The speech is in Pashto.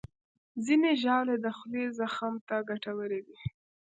ځینې ژاولې د خولې زخم ته ګټورې دي.